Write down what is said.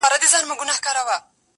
گرانه شاعره له مودو راهسي.